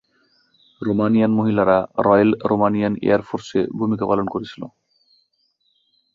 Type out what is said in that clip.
Romanian মহিলারা royal Romanian air ফোর্সে ভূমিকা পালন করেছিল।